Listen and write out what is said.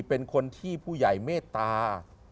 เป็นคนที่ผู้ใหญ่เมตตา